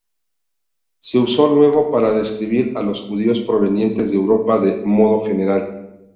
Se usó luego para describir a los judíos provenientes de Europa de modo general.